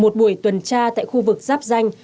một buổi tuần tra tại khu vực giáp danh